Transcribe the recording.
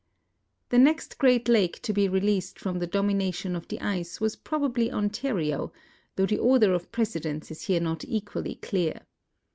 The next great lake to be releast from the domination of the ice was probably Ontario, though the order of precedence is here not equally clear.